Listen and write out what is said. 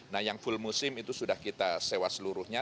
nah yang full musim itu sudah kita sewa seluruhnya